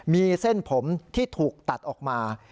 มีเส้นผมที่ถูกตัดออกมา